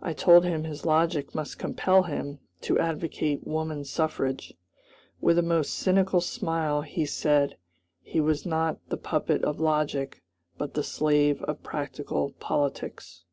I told him his logic must compel him to advocate woman suffrage. With a most cynical smile he said "he was not the puppet of logic, but the slave of practical politics."